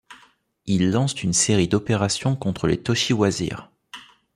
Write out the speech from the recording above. Ils lancent une série d'opérations contre les Tochi Wazirs.